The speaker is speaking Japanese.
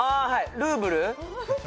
ルーブル。